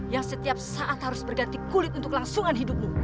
yang setiap saat harus berganti kulit untuk langsungan hidupmu